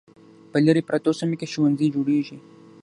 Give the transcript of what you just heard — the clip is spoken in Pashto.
په لیرې پرتو سیمو کې ښوونځي جوړیږي.